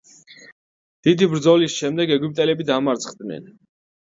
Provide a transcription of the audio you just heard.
დიდი ბრძოლის შემდეგ ეგვიპტელები დამარცხდნენ.